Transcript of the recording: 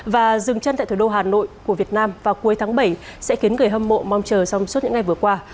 và dừng chân tại thủ đô hà nội của việt nam vào cuối tháng bảy sẽ khiến người hâm mộ mong chờ trong suốt những ngày vừa qua